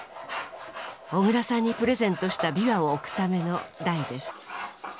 小椋さんにプレゼントした琵琶を置くための台です。